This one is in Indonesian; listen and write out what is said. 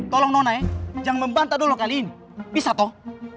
tolong nona ya jangan membantah dulu lo kali ini bisa toh